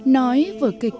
nói vở kịch